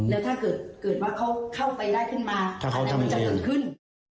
แล้วถ้าเกิดว่าเขาเข้าไปได้ขึ้นมาอันนั้นมันจะเกิดขึ้น